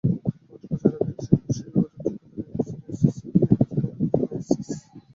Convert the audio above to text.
পাঁচ বছর আগে জ্যাকব শিক্ষাগত যোগ্যতা দেখিয়েছিলেন এইচএসসি, এবার দেখিয়েছেন এমএসএস।